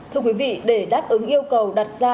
thưa quý vị để đáp ứng yêu cầu đặt ra